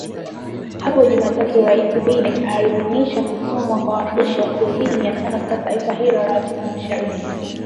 Hapo Jumatatu Raisi Biden aliidhinisha kutumwa kwa wanajeshi wasiozidi mia tano katika taifa hilo la Afrika mashariki